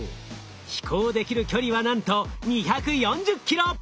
飛行できる距離はなんと２４０ｋｍ。